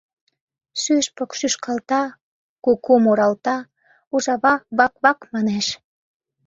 Шӱшпык шӱшкалта, куку муралта, ужава вак-вак манеш...